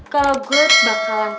kalau gue bakalan